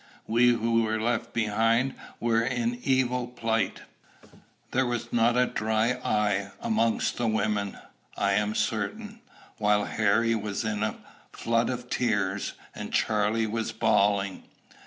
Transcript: We who were left behind were in evil plight. There was not a dry eye amongst the women, I am certain; while Harry was in floods of tears, and Charley was howling.